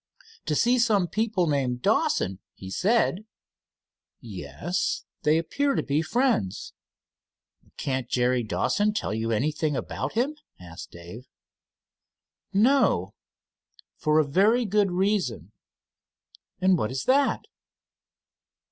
"To see some people named Dawson, he said." "Yes, they appear to be fiends." "Can't Jerry Dawson tell you anything about him?" asked Dave. "No." "For a very good reason." "And what is at?"